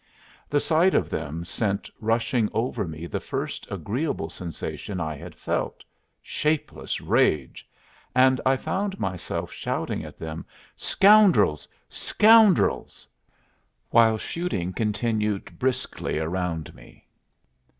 The sight of them sent rushing over me the first agreeable sensation I had felt shapeless rage and I found myself shouting at them, "Scoundrels! scoundrels!" while shooting continued briskly around me.